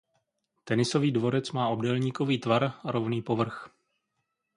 Tenisový dvorec má obdélníkový tvar a rovný povrch.